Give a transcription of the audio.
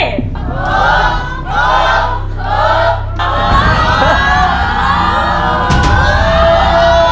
ถูกถูกถูก